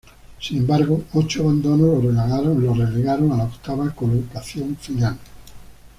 Sin embargo, ocho abandonos lo relegaron a la octava colocación final.